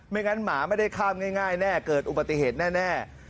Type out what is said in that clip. งั้นหมาไม่ได้ข้ามง่ายแน่เกิดอุบัติเหตุแน่